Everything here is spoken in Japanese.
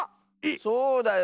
そうだよ。